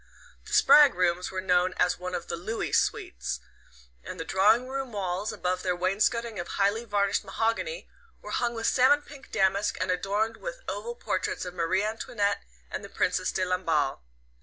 The Spragg rooms were known as one of the Looey suites, and the drawing room walls, above their wainscoting of highly varnished mahogany, were hung with salmon pink damask and adorned with oval portraits of Marie Antoinette and the Princess de Lamballe.